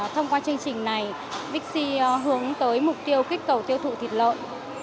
thông qua chương trình này bixi hướng tới mục tiêu kích cầu tiêu thụ thịt lợn